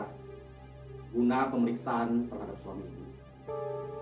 guna pemeriksaan terhadap suami ibu